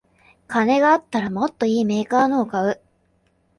金があったらもっといいメーカーのを買う